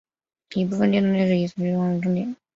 一部分电动列车以此站为起终点。